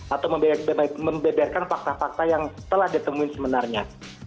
atau membeberkan fakta fakta yang telah ditemui sebenarnya